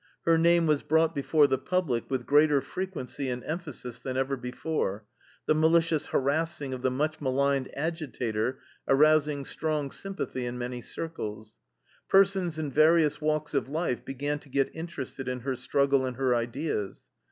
Her name was brought before the public with greater frequency and emphasis than ever before, the malicious harassing of the much maligned agitator arousing strong sympathy in many circles. Persons in various walks of life began to get interested in her struggle and her ideas.